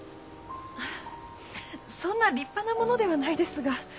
あそんな立派なものではないですが。